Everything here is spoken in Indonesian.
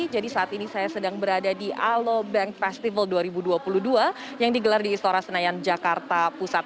jadi saat ini saya sedang berada di alobank festival dua ribu dua puluh dua yang digelar di istora senayan jakarta pusat